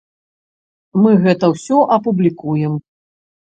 Мы гэта ўсё апублікуем.